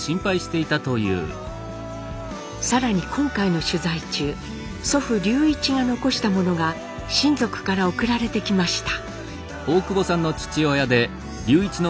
更に今回の取材中祖父隆一が残したものが親族から送られてきました。